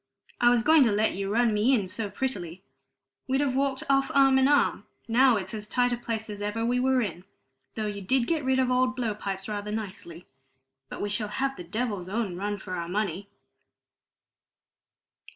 I was going to let you run me in so prettily! We'd have walked off arm in arm; now it's as tight a place as ever we were in, though you did get rid of old blow pipes rather nicely. But we shall have the devil's own run for our money!"